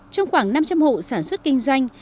trong khoảng năm trăm linh hộ sản xuất kinh doanh